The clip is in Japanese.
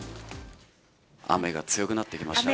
雨が強くなってきましたね。